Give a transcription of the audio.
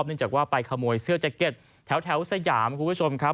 เนื่องจากว่าไปขโมยเสื้อแจ็คเก็ตแถวสยามคุณผู้ชมครับ